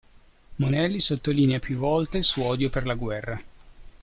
Monelli sottolinea più volte il suo odio per la guerra.